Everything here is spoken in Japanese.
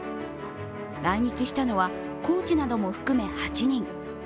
来日したのは、コーチなども含め８人。